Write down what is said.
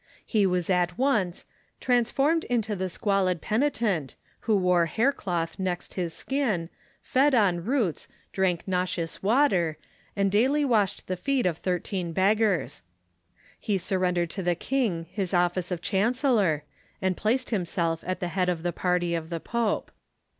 He was at once "transformed into the squalid penitent, who wore hair cloth next his skin, fed on roots, drank nauseous water, and daily washed the feet of thirteen beggars." He surrendered to the king his office of chancellor, and placed himself at the head of the party of the pope.